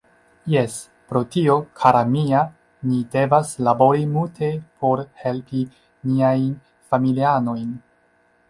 Jes, pro tio kara mia, ni devas labori multe por helpi niajn familianojn.